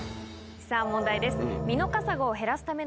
さぁ問題です。